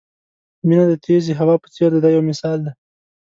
مینه د تېزې هوا په څېر ده دا یو مثال دی.